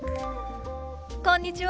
こんにちは。